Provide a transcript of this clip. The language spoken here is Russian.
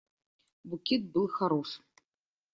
Букет был хорош.